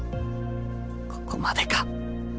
ここまでか？